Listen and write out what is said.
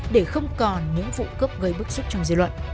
để không còn những vụ cướp gây bức xúc trong dư luận